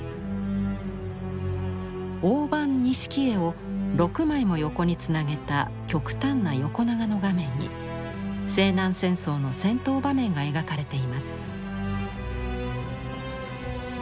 大判錦絵を６枚も横につなげた極端な横長の画面に西南戦争の戦闘場面が描かれています。